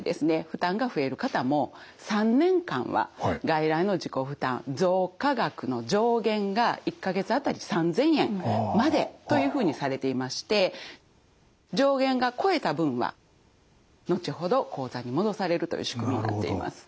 負担が増える方も３年間は外来の自己負担増加額の上限が１か月あたり３，０００円までというふうにされていまして上限が超えた分は後ほど口座に戻されるという仕組みになっています。